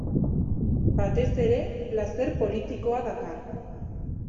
Batez ere, plazer politikoa dakar.